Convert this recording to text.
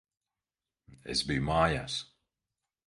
Es biju mājās.